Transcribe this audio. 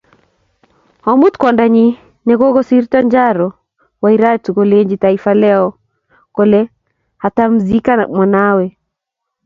Omut, kwangdanyiii ne kokisirto Njaro Wairatu kolenji Taifa Leo kole "hatamzika mwanawe"